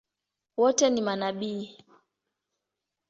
Wote ni manabii?